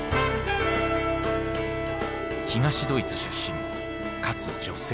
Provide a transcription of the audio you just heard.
東ドイツ出身かつ女性。